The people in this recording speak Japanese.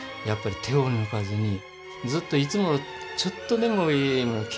やっぱり手を抜かずにずっといつもちょっとでもいいもの